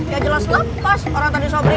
yang jelas lepas orang tadi sobri